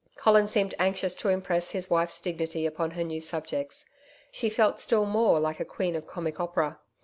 Colin seemed anxious to impress his wife's dignity upon her new subjects. She felt still more like a queen of comic opera.